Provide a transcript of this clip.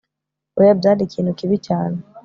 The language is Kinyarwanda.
oya byari ikintu kibi cyane